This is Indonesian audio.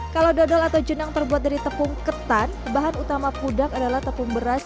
kalau dodol atau jenang terbuat dari tepung ketan bahan utama pudak adalah tepung beras